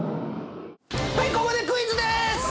ここでクイズです！